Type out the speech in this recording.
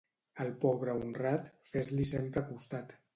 Al pobre honrat, fes-li sempre costat.